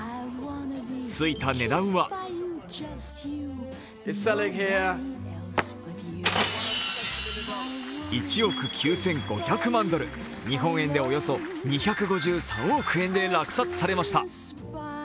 ついた値段は１億９５００万ドル、日本円でおよそ２５３億円で落札されました。